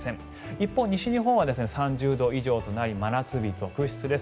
一方、西日本は３０度以上となり真夏日続出です。